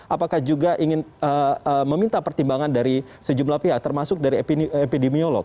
apakah juga ingin meminta pertimbangan dari sejumlah pihak termasuk dari epidemiolog